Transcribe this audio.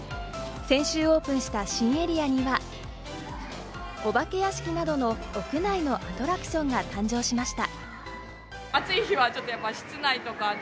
先週オープンした新エリアには、お化け屋敷などの屋内のアトラクションが誕生しました。